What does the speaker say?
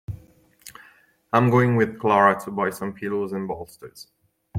I'm going with Clara to buy some pillows and bolsters.